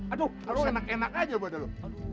aduh enak enak aja buat lu